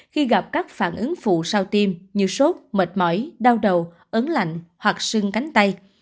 khi gặp các phản ứng phụ sau tiêm như sốt mệt mỏi đau đầu ấn lạnh hoặc xương cánh tay